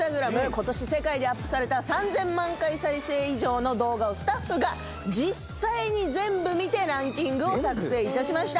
今年世界でアップされた３，０００万回再生以上の動画をスタッフが実際に全部見てランキングを作成いたしました。